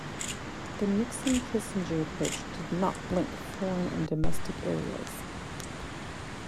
The Nixon-Kissinger approach did not link foreign and domestic areas.